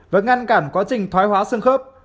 và ngăn cản quá trình thoái hóa xương khớp